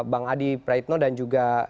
bang adi praitno dan juga